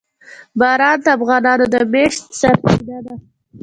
باران د افغانانو د معیشت سرچینه ده.